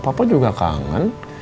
papa juga kangen